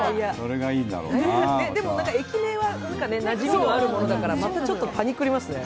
でも駅名はなじみがあるものだから、またちょっとパニクりますね。